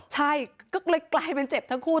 ใช่ก็เลยกลายเป็นเจ็บทั้งคู่